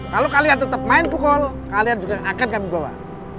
kalau kalian tetap main pukul kalian juga akan kami bawa